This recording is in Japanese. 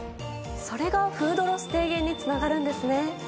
それがフードロス低減につながるんですね。